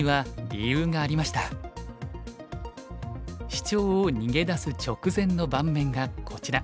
シチョウを逃げ出す直前の盤面がこちら。